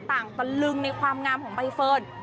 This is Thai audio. ตะลึงในความงามของใบเฟิร์น